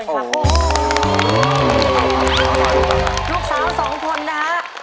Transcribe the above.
ลูกสาวสองคนนะครับ